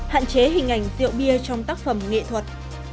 hạn chế hình ảnh rượu bia trong tác phẩm nghệ thuật